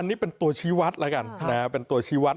อันนี้เป็นตัวชีวัตรแล้วกัน